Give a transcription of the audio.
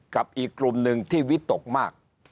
กับอีกกลุ่มหนึ่งที่วิตกมาก